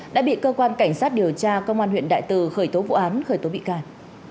đã bị cơ quan cảnh sát điều tra công an huyện đại từ khởi tố vụ án khởi tố bị can